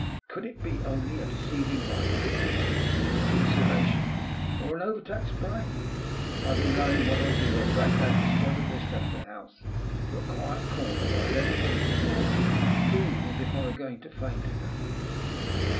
Could it be only a deceiving likeness, or an hallucination of an overtaxed brain? Hardly knowing what I did I dragged Agnes by the wrist out of the house to a quiet corner, where I leant against the wall feeling as if I were going to faint again.